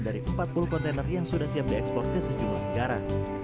dari empat puluh kontainer yang sudah siap diekspor ke sejumlah negara